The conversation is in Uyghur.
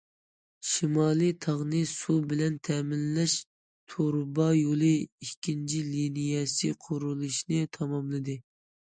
شىمالىي تاغنى سۇ بىلەن تەمىنلەش تۇرۇبا يولى ئىككىنچى لىنىيەسى قۇرۇلۇشىنى تاماملىدى.